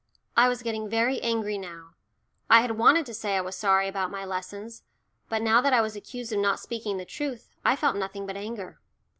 I was getting very angry now I had wanted to say I was sorry about my lessons, but now that I was accused of not speaking the truth I felt nothing but anger.